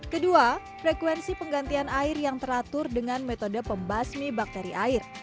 kedua frekuensi penggantian air yang teratur dengan metode pembasmi bakteri air